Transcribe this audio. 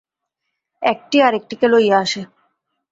একটি আর একটিকে লইয়া আসে।